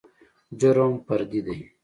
جرم فردي دى.